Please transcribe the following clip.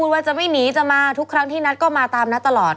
ว่าจะไม่หนีจะมาทุกครั้งที่นัดก็มาตามนัดตลอด